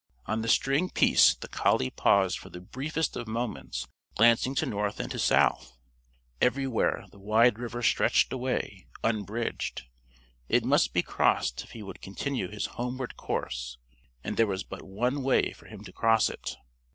On the string piece the collie paused for the briefest of moments glancing to north and to south. Everywhere the wide river stretched away, unbridged. It must be crossed if he would continue his homeward course, and there was but one way for him to cross it.